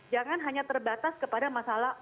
jangan hanya terbatas kepada masalah